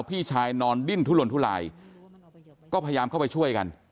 พี่ชายนอนดิ้นทุลนทุลายก็พยายามเข้าไปช่วยกัน